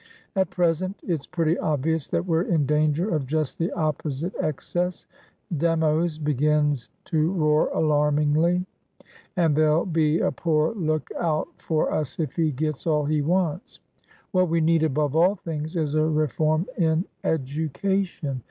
At present it's pretty obvious that we're in danger of just the opposite excess; Demos begins to roar alarmingly, and there'll be a poor look out for us if he gets all he wants. What we need above all things is a reform in education.